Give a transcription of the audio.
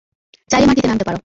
চাইলে মাটিতে নামতে পারো।